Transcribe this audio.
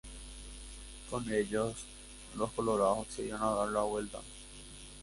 Con ello los Colorados accedieron a dar la vuelta.